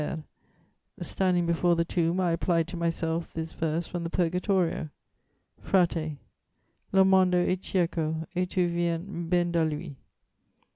_ Standing before the tomb, I applied to myself this verse from the Purgatorio: Frate, Lo mondo è cieco, e tu vien ben da lui.